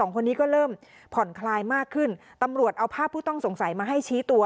คนนี้ก็เริ่มผ่อนคลายมากขึ้นตำรวจเอาภาพผู้ต้องสงสัยมาให้ชี้ตัว